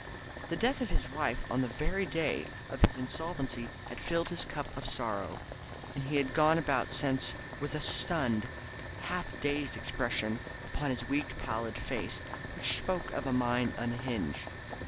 The death of his wife on the very day of his insolvency had filled his cup of sorrow, and he had gone about since with a stunned, half dazed expression upon his weak pallid face which spoke of a mind unhinged.